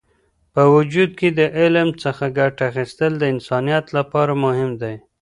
په وجود کې د علم څخه ګټه اخیستل د انسانیت لپاره مهم دی.